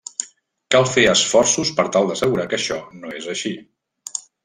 Cal fer esforços per tal d'assegurar que això no és així.